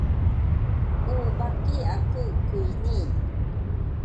u baki aku kuyni.